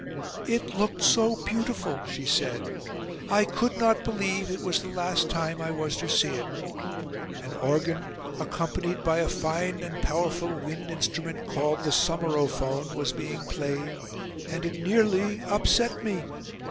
"It looked so beautiful," she said. "I could not believe it was the last time I was to see it. An organ, accompanied by a fine and powerful wind instrument called the sommerophone, was being played, and it nearly upset me.